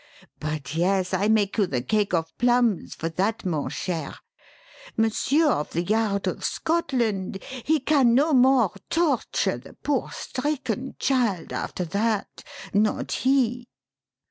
But, yes, I make you the cake of plums for that, mon cher. Monsieur of the yard of Scotland, he can no more torture the poor stricken child after that not he."